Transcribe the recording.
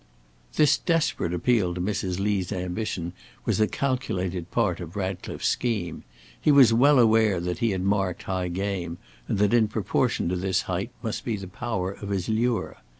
This desperate appeal to Mrs. Lee's ambition was a calculated part of Ratcliffe's scheme. He was well aware that he had marked high game, and that in proportion to this height must be the power of his lure.